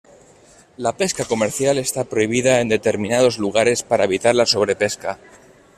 La pesca comercial está prohibida en determinados lugares para evitar la sobrepesca.